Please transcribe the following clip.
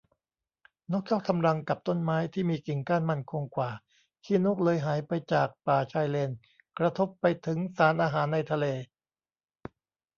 นกชอบทำรังกับต้นไม้ที่มีกิ่งก้านมั่นคงกว่า ขี้นกเลยหายไปจากป่าชายเลน กระทบไปถึงสารอาหารในทะเล